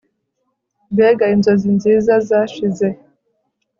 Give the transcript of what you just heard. Mbega inzozi nziza zashize